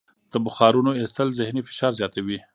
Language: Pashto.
د بخارونو ایستل ذهني فشار زیاتوي.